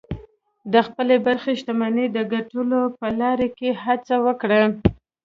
د خپلې برخې شتمنۍ د ګټلو په لاره کې هڅه وکړئ